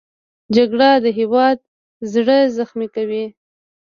جګړه د هېواد زړه زخمي کوي